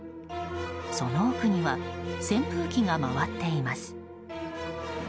その奥には扇風機が回っています。